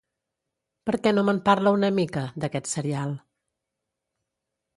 Per què no me'n parla una mica, d'aquest serial?